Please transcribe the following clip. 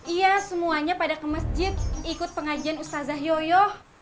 iya semuanya pada ke masjid ikut pengajian ustazah yoyo